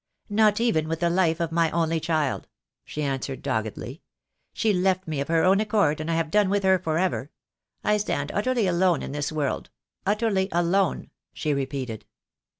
"Not even with the life of my only child," she answered doggedly. "She left me of her own accord, and I have done with her for ever. I stand utterly alone in this world, utterly alone," she repeated.